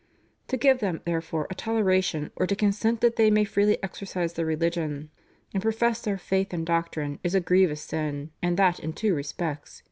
To give them, therefore, a toleration, or to consent that they may freely exercise their religion, and profess their faith and doctrine is a grievous sin, and that in two respects.